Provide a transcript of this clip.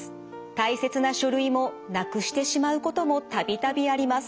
大切な書類もなくしてしまうことも度々あります。